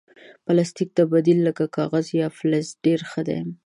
پلاستيک ته بدیل لکه کاغذ یا فلز ډېر ښه دی.